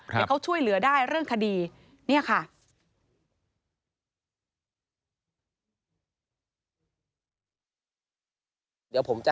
ให้เขาช่วยเหลือได้เรื่องคดี